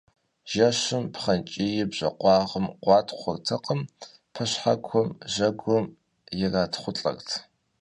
Жэщым пхъэнкӀийр бжэкъуагъым къуатхъуэртэкъым пэшхьэкум, жьэгум иратхъулӀэрт.